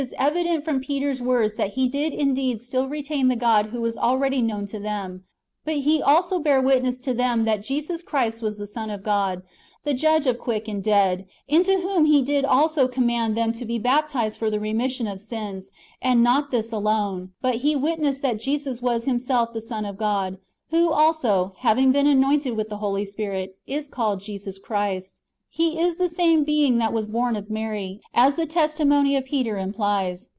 305 evident from Peter's words that he did indeed still retain the God who was already known to them ; but he also bare witness to them that Jesus Christ was the Son of God, the Judge of quick and dead, into whom he did also command them to be baptized for the remission of sins ; and not this alone, but he witnessed that Jesus was Himself the Son of God, who also, having been anointed with the Holy Spirit, is called Jesus Christ. And He is the same being that was born of Mary, as the testimony of Peter implies.